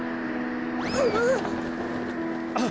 あっ。